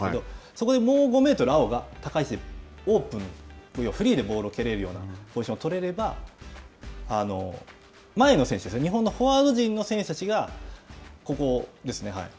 そこでもう５メートル高いセーブ、オープン、フリーでボールを蹴れるようなポジションを取れれば、前の選手ですね、日本のフォワード陣の選手たちがここですね。